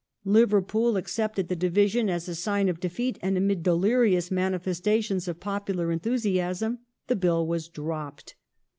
Liverpool accepted the division as a sign of defeat, and amid delirious manifestations of popular enthusiasm the Bill was dropped.